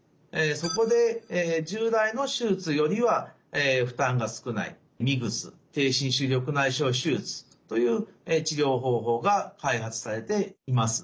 そこで従来の手術よりは負担が少ないＭＩＧＳ低侵襲緑内障手術という治療方法が開発されています。